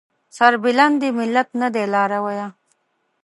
سربلند دې ملت نه دی لارويه